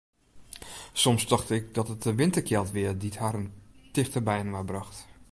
Soms tocht ik dat it de winterkjeld wie dy't harren tichter byinoar brocht.